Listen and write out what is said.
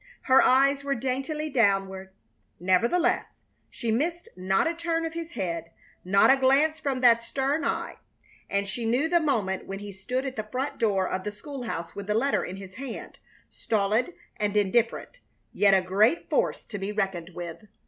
Her eyes were daintily downward. Nevertheless, she missed not a turn of his head, not a glance from that stern eye, and she knew the moment when he stood at the front door of the school house with the letter in his hand, stolid and indifferent, yet a great force to be reckoned with.